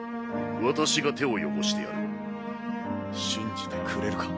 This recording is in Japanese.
私が手を汚してやる信じてくれるか？